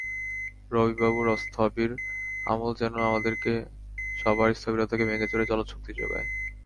রবি বাবুর স্থবির অমল যেন আমাদের সবার স্থবিরতাকে ভেঙেচুরে চলৎশক্তি জোগায়।